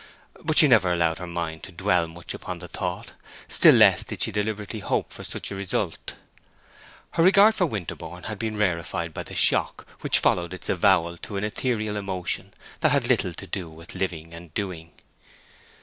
But she never allowed her mind to dwell much upon the thought; still less did she deliberately hope for such a result. Her regard for Winterborne had been rarefied by the shock which followed its avowal into an ethereal emotion that had little to do with living and doing.